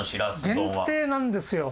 限定なんですよ。